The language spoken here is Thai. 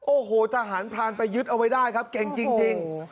โอ้โหทหารพรานไปยึดเอาไว้ได้ครับเก่งจริง